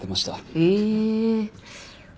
へえ。